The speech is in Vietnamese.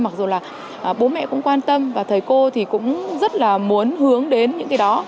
mặc dù là bố mẹ cũng quan tâm và thầy cô thì cũng rất là muốn hướng đến những cái đó